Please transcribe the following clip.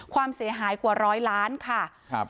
ความเสียหายกว่า๑๐๐ล้านบาท